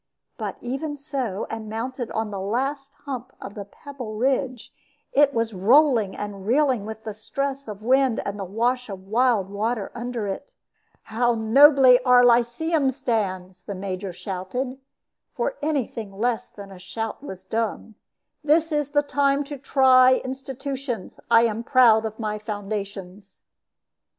But even so, and mounted on the last hump of the pebble ridge, it was rolling and reeling with stress of the wind and the wash of wild water under it. "How nobly our Lyceum stands!" the Major shouted, for any thing less than a shout was dumb. "This is the time to try institutions. I am proud of my foundations."